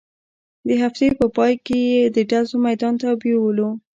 د هفتې په پاى کښې يې د ډزو ميدان ته بېولو.